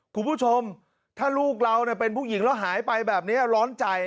คุณผู้ชมถ้าลูกเราเป็นผู้หญิงแล้วหายไปแบบนี้ร้อนใจ